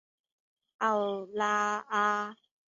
奥拉阿。